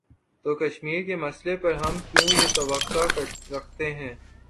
تو کشمیر کے مسئلے پر ہم کیوں یہ توقع رکھتے ہیں۔